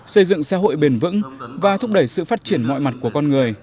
xây dựng xã hội bền vững và thúc đẩy sự phát triển mọi mặt của con người